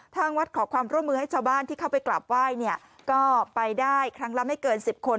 ทางวัดขอความร่วมมือให้ชาวบ้านที่เข้าไปกราบไหว้เนี่ยก็ไปได้ครั้งละไม่เกิน๑๐คน